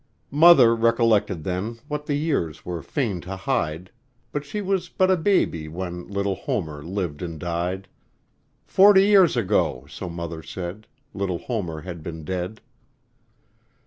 Mother recollected then What the years were fain to hide She was but a baby when Little Homer lived and died; Forty years, so mother said, Little Homer had been dead.